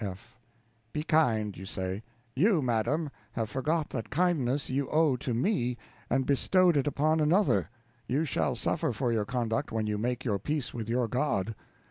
F. Be kind, you say; you, madam, have forgot that kindness you owe to me, and bestowed it upon another; you shall suffer for your conduct when you make your peace with your God.